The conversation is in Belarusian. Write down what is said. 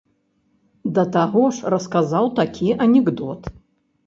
Да таго ж расказаў такі анекдот.